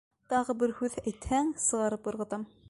Тағы бер һүҙ әйтһәң, сығарып ырғытам.